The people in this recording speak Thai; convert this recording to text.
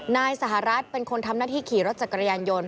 นายสหรัฐเป็นคนทำหน้าที่ขี่รถจักรยานยนต์